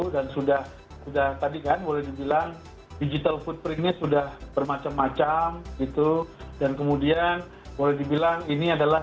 dan sudah sudah tadi kan boleh dibilang digital footprintnya sudah bermacam macam gitu dan kemudian boleh dibilang ini adalah